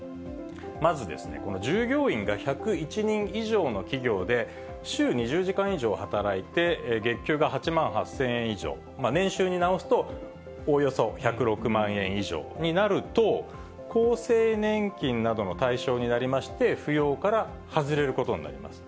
まずこの従業員が１０１人以上の企業で、週２０時間以上働いて月給が８万８０００円以上、年収に直すとおよそ１０６万円以上になると、厚生年金などの対象になりまして、扶養から外れることになります。